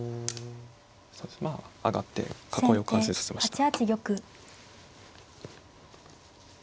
まあ上がって囲いを完成させました。